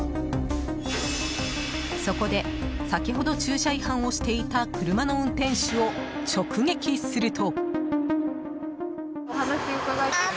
そこで先ほど駐車違反をしていた車の運転手を直撃すると。